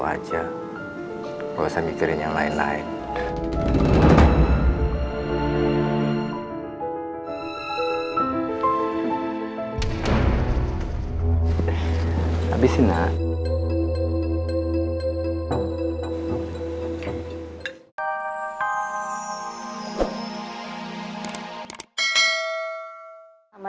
aja nggak usah mikirin yang lain lain habisin lah